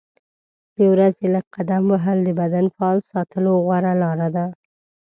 د ورځې لږ قدم وهل د بدن فعال ساتلو غوره لاره ده.